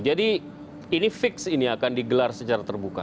jadi ini fix ini akan digelar secara terbuka